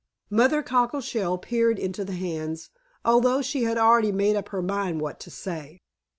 Mother Cockleshell peered into the hands, although she had already made up her mind what to say.